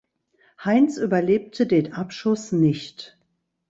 Heinz überlebte den Abschuss nicht.